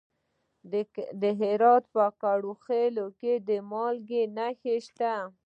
د هرات په کرخ کې د مالګې نښې شته.